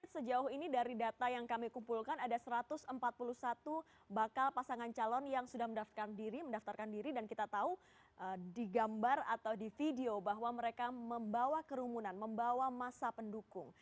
sejauh ini dari data yang kami kumpulkan ada satu ratus empat puluh satu bakal pasangan calon yang sudah mendaftarkan diri dan kita tahu di gambar atau di video bahwa mereka membawa kerumunan membawa masa pendukung